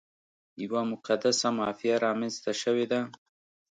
یوه مقدسه مافیا رامنځته شوې ده.